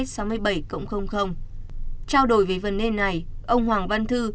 trao đổi về vấn đề này ông hoàng văn thư